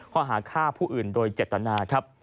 ข้อหาฆ่าผู้อื่นโดยเจตนาครับ